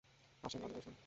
আসেন রাধে ভাই, শুনেন।